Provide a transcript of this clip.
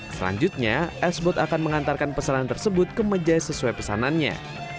selanjutnya l sbot akan mengantarkan pesanan tersebut ke meja sesuai pesanannya